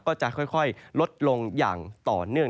ก็จะค่อยลดลงอย่างต่อเนื่อง